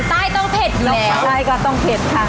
อาหารใต้ต้องเผ็ดแหละ